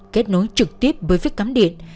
kết nối trực tiếp với phít cấm điện